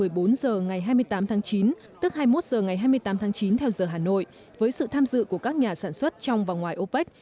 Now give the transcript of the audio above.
một mươi bốn h ngày hai mươi tám tháng chín tức hai mươi một h ngày hai mươi tám tháng chín theo giờ hà nội với sự tham dự của các nhà sản xuất trong và ngoài opec